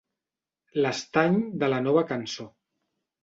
L'estany de la Nova Cançó.